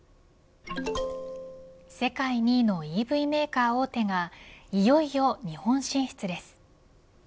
世界２位のＥＶメーカー大手がいよいよ日本進出です。